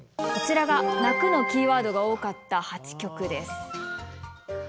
こちらが「泣く」のキーワードが多かった８曲です。